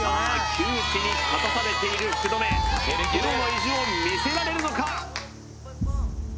窮地に立たされている福留プロの意地を見せられるのか？